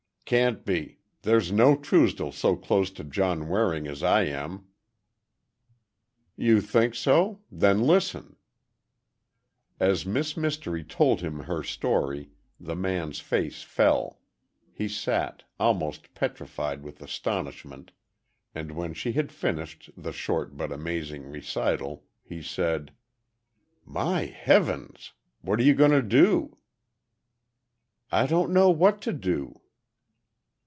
"Can't be. There's no Truesdell so close to John Waring as I am." "You think so? Then listen." As Miss Mystery told him her story, the man's face fell, he sat, almost petrified with astonishment, and when she had finished the short but amazing recital, he said: "My heavens! What are you going to do?" "I don't know what to do."